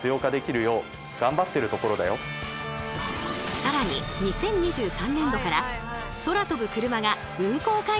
更に２０２３年度から空飛ぶクルマが運行開始予定という話も。